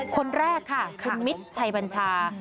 คนแรกค่ะคุณมิตรชัยบัญชา